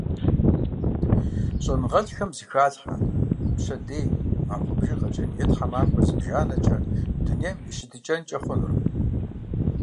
ЩӀэныгъэлӀхэм зэхалъхьэ пщэдей, махуэ бжыгъэкӀэ е тхьэмахуэ зыбжанэкӀэ дунейм и щытыкӀэнкӀэ хъунур.